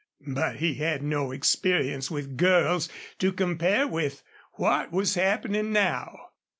But he had no experience with girls to compare with what was happening now.